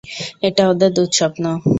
এটা ওদের দুঃস্বপ্ন।